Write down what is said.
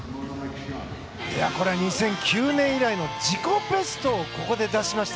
２００９年以来の自己ベストをここで出しました。